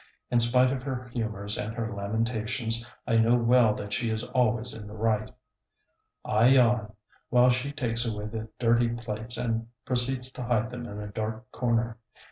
In spite of her humors and her lamentations I know well that she is always in the right. I yawn, while she takes away the dirty plates and proceeds to hide them in a dark corner.